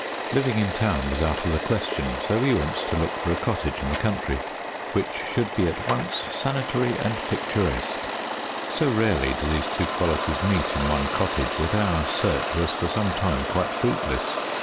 Living in town was out of the question, so we went to look for a cottage in the country, which should be at once sanitary and picturesque. So rarely do these two qualities meet in one cottage that our search was for some time quite fruitless.